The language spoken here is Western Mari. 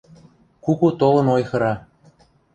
Куку толын ойхыра —